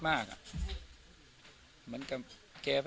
วันนี้ก็จะเป็นสวัสดีครับ